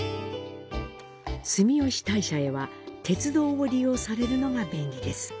住吉大社へは鉄道を利用されるのが便利です。